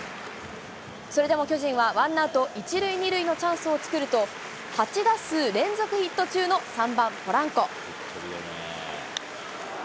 それでも巨人は、ワンアウト１塁２塁のチャンスを作ると、８打数連続ヒット中の３番ポランコ。